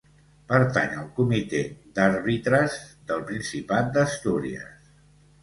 Pertany al Comitè d'Àrbitres del Principat d'Astúries.